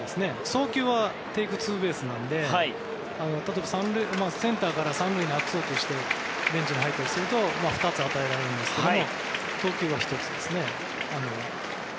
送球はテイクツーベースなので例えば、センターから３塁に悪送球してベンチに入ったりすると２つ与えられるんですが投球は１つですね。